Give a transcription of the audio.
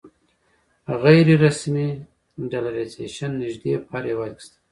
غیر رسمي ډالرایزیشن نږدې په هر هېواد کې شته.